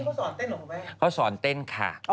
โรงพยาบาลบากิเขาสอนเต้นหรือเปล่าแม่